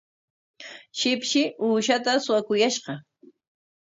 Shipshi uushaata suwakuyashqa.